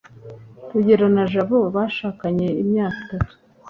rugeyo na jabo bashakanye imyaka itatu